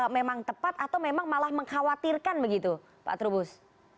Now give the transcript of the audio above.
memang tepat atau memang malah mengkhawatirkan begitu pak trubus